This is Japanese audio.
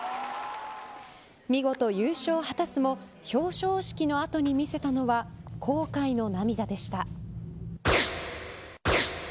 見事、優勝を果たすも表彰式の後に見せたのは後悔の涙でした。